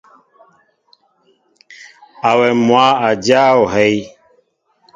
Awem mwă a jáa ohɛy.